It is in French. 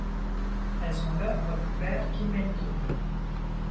Elles sont l'œuvre du père Kim En Joong.